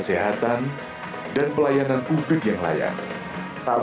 sudah ada daerah dari mana kalian berasal